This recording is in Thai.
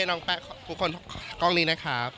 ขอบคุณหมด